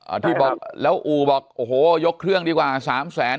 ที่บอกแล้วอู่บอกโอ้โหยกเครื่องดีกว่าสามแสน